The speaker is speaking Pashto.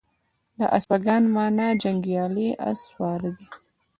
د اسپاگان مانا جنگيالي اس سواره دي